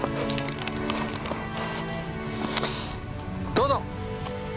どうぞ！